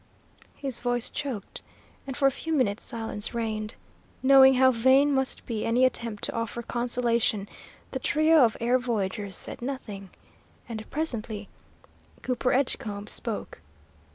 His voice choked, and for a few minutes silence reigned. Knowing how vain must be any attempt to offer consolation, the trio of air voyagers said nothing, and presently Cooper Edgecombe spoke.